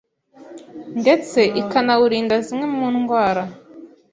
ndetse ikanawurinda zimwe mu ndwara